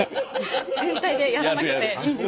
やらなくていいんです。